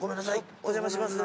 お邪魔しますね。